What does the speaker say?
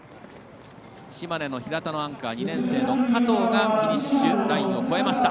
アンカー、２年生の加藤がフィニッシュラインを越えました。